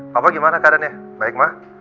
papa gimana keadaannya baik ma